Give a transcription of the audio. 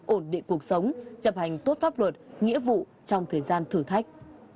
ổn định cuộc sống chấp hành tốt pháp luật nghĩa vụ trong thời gian thử thách